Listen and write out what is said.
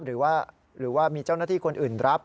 หรือว่ามีเจ้าหน้าที่คนอื่นรับ